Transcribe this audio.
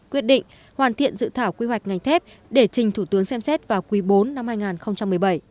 quyết định hoàn thiện dự thảo quy hoạch ngành thép để trình thủ tướng xem xét vào quý bốn năm hai nghìn một mươi bảy